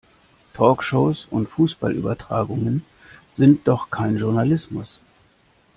Talkshows und Fußballübertragungen sind doch kein Journalismus!